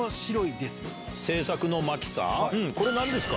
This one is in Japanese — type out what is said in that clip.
これ何ですか？